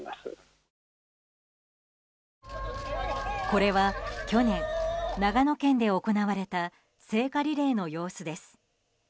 これは去年、長野県で行われた聖火リレーの様子です。